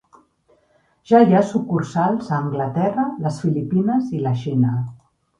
Ja hi ha sucursals a Anglaterra, les Filipines i la Xina.